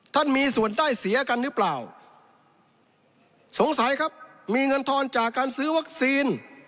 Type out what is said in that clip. ท่านมีส่วนได้เสียกันหรือเปล่าสงสัยครับมีเงินทอนจากการซื้อวัคซีน